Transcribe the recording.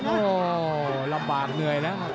โอ้โหลำบากเหนื่อยแล้ว